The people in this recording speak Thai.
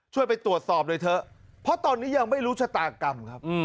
ไปตรวจสอบหน่อยเถอะเพราะตอนนี้ยังไม่รู้ชะตากรรมครับ